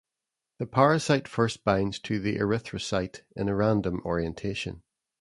The parasite first binds to the erythrocyte in a random orientation.